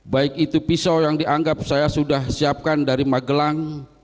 baik itu pisau yang dianggap saya sudah siapkan dari magelang